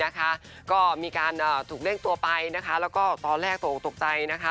ก็มีการถูกเล่งตัวไปแล้วก็ตอนแรกตกตกใจ